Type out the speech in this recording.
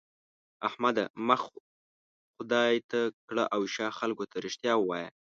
احمده! مخ خدای ته کړه او شا خلګو ته؛ رښتيا ووايه.